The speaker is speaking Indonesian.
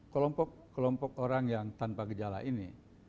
kelompok kelompok orang yang tanpa gejala ini